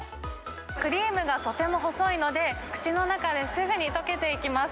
クリームがとても細いので、口の中ですぐに溶けていきます。